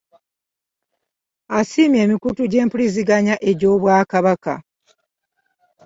Asiimye emikutu gy'empuliziganya egy'Obwakabaka